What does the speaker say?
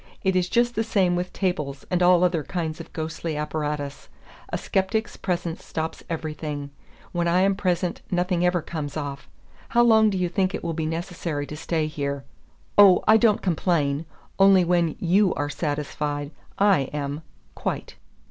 "It is just the same with tables and all other kinds of ghostly apparatus; a sceptic's presence stops everything. When I am present nothing ever comes off. How long do you think it will be necessary to stay here? Oh, I don't complain; only when you are satisfied, I am quite."